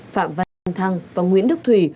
phạm văn thăng và nguyễn đức thủy